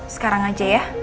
sekarang aja ya